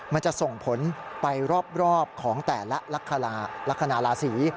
มันจะส่งผลไปรอบของแต่ละลักษณะราศี